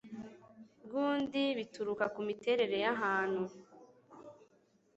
bw undi bituruka ku miterere y ahantu